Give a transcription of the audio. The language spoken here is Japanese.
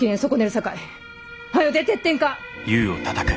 さかいはよ出てってんか！